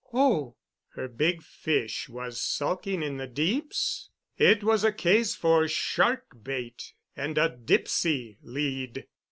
"Oh!" Her big fish was sulking in the deeps? It was a case for shark bait and a "dipsy" lead.